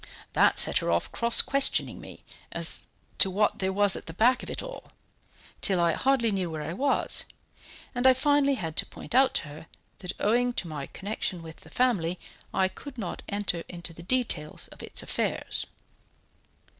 That set her off cross questioning me, as to what there was at the back of it all, till I hardly knew where I was; and I finally had to point out to her that owing to my connection with the family I could not enter into the details of its affairs."